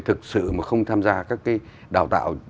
thực sự mà không tham gia các cái đào tạo